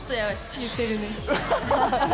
言ってるね。